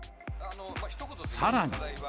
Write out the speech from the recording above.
さらに。